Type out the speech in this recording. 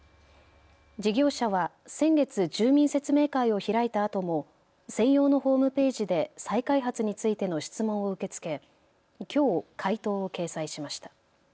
事業者は先月、住民説明会を開いたあとも専用のホームページで再開発についての質問を受け付けきょう回答を掲載しました。